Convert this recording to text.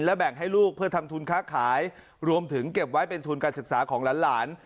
แบ่งให้ลูกเพื่อทำทุนค้าขายรวมถึงเก็บไว้เป็นทุนการศึกษาของหลาน